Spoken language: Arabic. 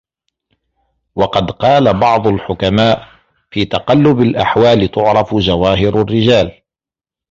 وَقَدْ قَالَ بَعْضُ الْحُكَمَاءِ فِي تَقَلُّبِ الْأَحْوَالِ تُعْرَفُ جَوَاهِرُ الرِّجَالِ